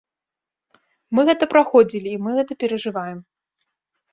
Мы гэта праходзілі, і мы гэта перажываем.